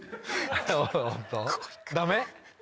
ダメ？